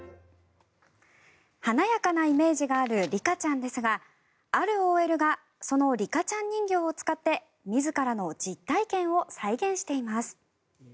華やかなイメージがあるリカちゃんですがあるＯＬがそのリカちゃん人形を使って自らの実体験を再現しています。